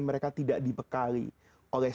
mereka tidak dibekali oleh